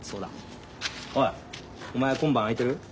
おいお前今晩空いてる？え？